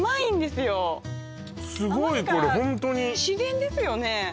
すごいこれホントに自然ですよね